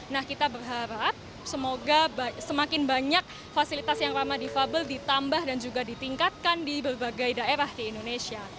nah kita berharap semoga semakin banyak fasilitas yang ramah difabel ditambah dan juga ditingkatkan di berbagai daerah di indonesia